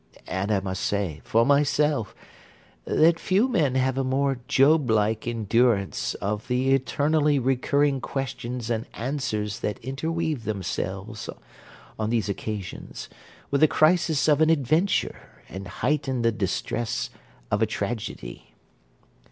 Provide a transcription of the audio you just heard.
And I must say, for myself, that few men have a more Job like endurance of the eternally recurring questions and answers that interweave themselves, on these occasions, with the crisis of an adventure, and heighten the distress of a tragedy.